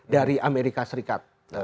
dari amerika serikat